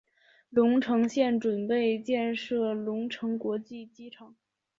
隆城县准备建设隆城国际机场。